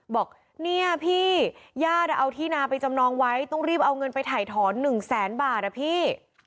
บอกเนี่ยพี่ญาติเอาที่นาไปจำนองไว้ต้องรีบเอาเงินไปถ่ายถอน๑แสนบาทอ่ะพี่